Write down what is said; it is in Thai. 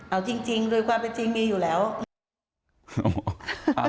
เอาจริงโดยความเป็นจริงมีอยู่แล้ว